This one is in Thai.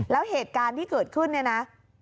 แล้วเหตุการณ์ที่เกิดขึ้นเนี่ยนะ